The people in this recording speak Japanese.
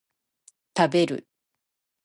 食べる